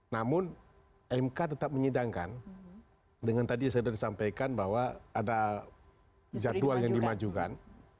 namun mk tetap menyidangkan dengan tadi sudah disampaikan bahwa ada jadwal yang dimajukan